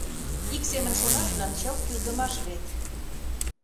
Ик семын шонаш гын, чылт кӱлдымаш вет.